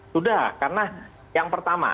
sudah karena yang pertama